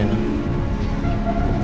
alasan lepasnya hak adopsi rena